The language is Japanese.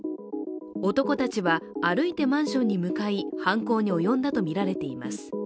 男たちは歩いてマンションに向かい、犯行に及んだとみられています